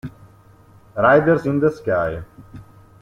Riders in the Sky